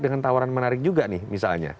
dengan tawaran menarik juga nih misalnya